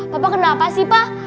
papa kenapa sih pak